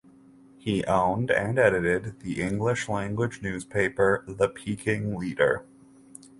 He owned and edited the English language newspaper "The Peking Leader".